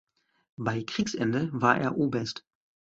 Bei Kriegsende war er Oberst.